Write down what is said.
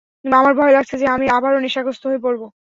আমার ভয় লাগছে যে আমি আবারও নেশাগ্রস্ত হয়ে পড়বো?